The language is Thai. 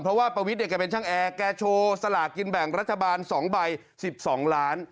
เพราะว่าประวิทย์แกเป็นช่างแอร์แกโชว์สลากินแบ่งรัฐบาล๒ใบ๑๒ล้าน